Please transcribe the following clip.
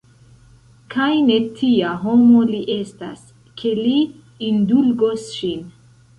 Kaj ne tia homo li estas, ke li indulgos ŝin!